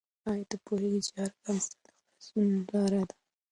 آیا ته پوهېږې چې هر ګام ستا د خلاصون لاره ده؟